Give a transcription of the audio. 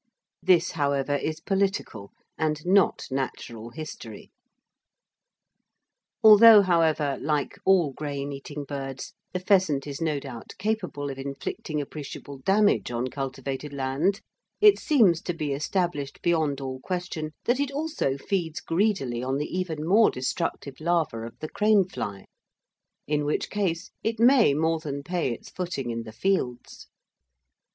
This, however, is political, and not natural history. Although, however, like all grain eating birds, the pheasant is no doubt capable of inflicting appreciable damage on cultivated land, it seems to be established beyond all question that it also feeds greedily on the even more destructive larva of the crane fly, in which case it may more than pay its footing in the fields.